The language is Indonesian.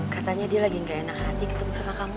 katanya dia lagi gak enak hati ketemu sama kamu